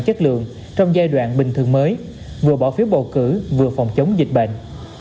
chất lượng trong giai đoạn bình thường mới vừa bỏ phiếu bầu cử vừa phòng chống dịch bệnh